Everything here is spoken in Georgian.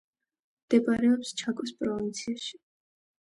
მდებარეობს ჩაკოს პროვინციაში.